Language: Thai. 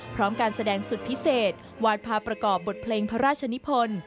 การแสดงสุดพิเศษวาดภาพประกอบบทเพลงพระราชนิพล